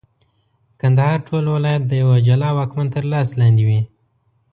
کندهار ټول ولایت د یوه جلا واکمن تر لاس لاندي وي.